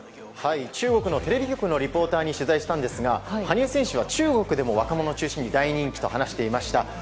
中国のテレビ局のリポーターに取材しましたが羽生選手は中国でも若者を中心に大人気と話していました。